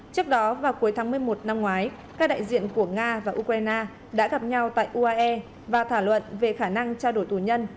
trước đó vào cuối tháng một mươi một năm ngoái các đại diện của nga và ukraine đã gặp nhau tại uae và thảo luận về khả năng trao đổi tù nhân